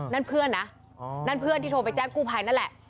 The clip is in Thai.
นั่นเพื่อนนะนั่นเพื่อนที่โทรไปแจ้งกู้ภัยนั่นแหละ